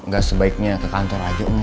gak sebaiknya ke kantor aja